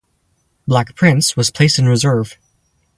"Black Prince" was placed in reserve.